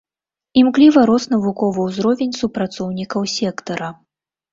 Імкліва рос навуковы ўзровень супрацоўнікаў сектара.